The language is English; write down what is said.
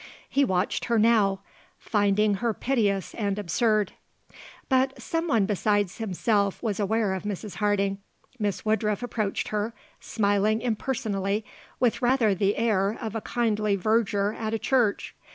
He watched her now, finding her piteous and absurd. But someone beside himself was aware of Mrs. Harding. Miss Woodruff approached her, smiling impersonally, with rather the air of a kindly verger at a church.